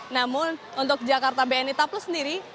namun untuk jakarta bni taplus sendiri